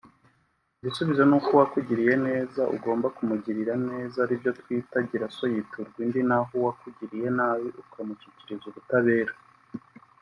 Igisubizo nuko uwakugiriye neza ugomba kumugirira neza aribyo twita “Gira so yiturwa indi” naho uwakugiriye nabi ukamushyikiriza ubutabera